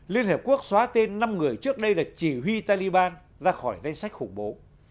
liên hợp quốc xóa tên năm người trước đây là chỉ huy taliban ra khỏi danh sách khủng bố